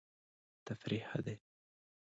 تفریح ښه دی.